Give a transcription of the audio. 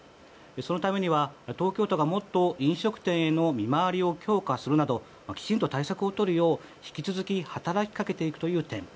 そのためには東京都がもっと飲食店への見回りを強化するなどきちんと対策をとるよう引き続き働きかけていくという点。